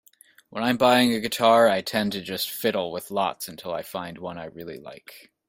When I'm buying a guitar I tend to just fiddle with lots until I find one I really like.